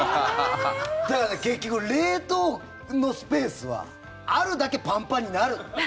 だから結局、冷凍のスペースはあるだけパンパンになる。